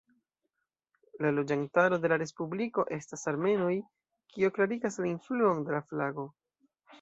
La loĝantaro de la respubliko estas armenoj kio klarigas la influon de la flago.